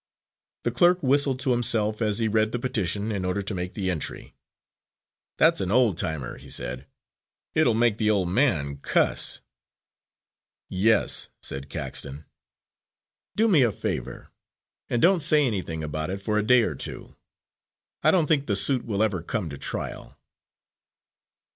The clerk whistled to himself as he read the petition in order to make the entry. "That's an old timer," he said. "It'll make the old man cuss." "Yes," said Caxton. "Do me a favour, and don't say anything about it for a day or two. I don't think the suit will ever come to trial."